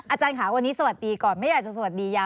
อาจารย์ค่ะวันนี้สวัสดีก่อนไม่อยากจะสวัสดีค่ะ